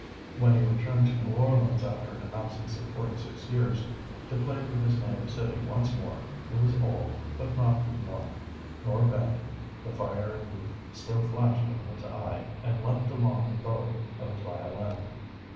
When he returned to New Orleans after an absence of forty six years to play for his native city once more, he was old, but not worn, nor bent, the fire of youth still flashed in his eye, and leaped along the bow of his violin.